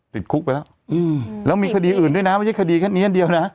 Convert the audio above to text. ติดคุกไปแล้วแล้วมีคดีอื่นด้วยนะไม่ใช่คดีแค่นี้อันเดียวนะ